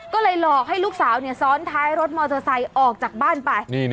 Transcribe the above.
ก็เลยหลอกให้ลูกสาวซ้อนท้ายรถมอเตอร์ไซค์ออกจากบ้านไป